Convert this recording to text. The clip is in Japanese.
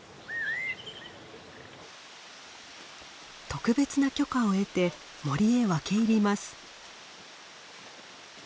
特別な許可を得て森へ分け入ります。